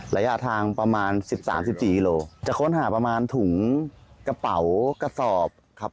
ระยะทางประมาณ๑๓๑๔กิโลจะค้นหาประมาณถุงกระเป๋ากระสอบครับ